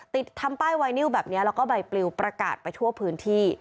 ทำป้ายไวนิวแบบนี้แล้วก็ใบปลิวประกาศไปทั่วพื้นที่